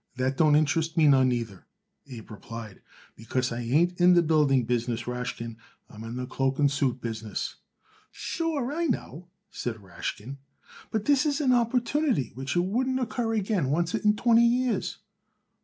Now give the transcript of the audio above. "That don't interest me none neither," Abe replied, "because I ain't in the building business, Rashkin; I am in the cloak and suit business." "Sure, I know," said Rashkin; "but this is an opportunity which it wouldn't occur again oncet in twenty years."